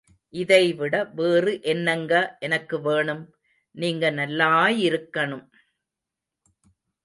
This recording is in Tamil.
இதைவிட வேறு என்னங்க எனக்கு வேணும் நீங்க நல்லாயிருக்கனும்!